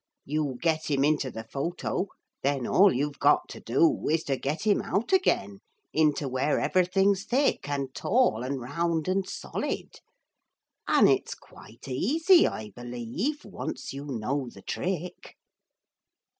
You get him into the photo. Then all you've got to do is to get 'im out again into where everything's thick and tall and round and solid. And it's quite easy, I believe, once you know the trick.'